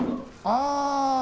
ああ！